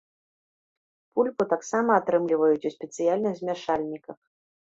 Пульпу таксама атрымліваюць у спецыяльных змяшальніках.